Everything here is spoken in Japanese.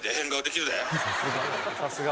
さすが。